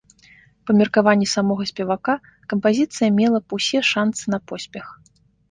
Па меркаванні самога спевака, кампазіцыя мела б усе шанцы на поспех.